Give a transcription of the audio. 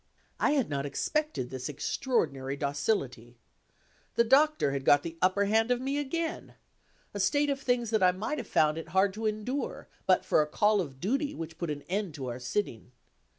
I had not expected this extraordinary docility. The Doctor had got the upper hand of me again a state of things that I might have found it hard to endure, but for a call of duty which put an end to our sitting.